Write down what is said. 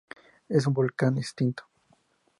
Es un volcán extinto.